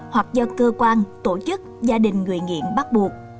hoặc do cơ quan tổ chức gia đình người nghiện bắt buộc